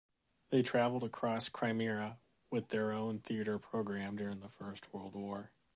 They travelled across Crimea with their own theater program during the First World War.